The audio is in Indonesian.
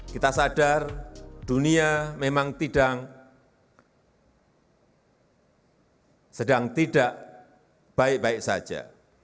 kita sadar dunia memang tidak sedang tidak baik baik saja